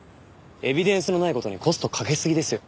エビデンスのない事にコストかけすぎですよ。